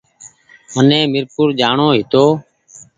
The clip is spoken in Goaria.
مني ميرپور جآڻو هيتو